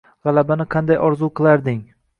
G’alabani qanday orzu qilarding!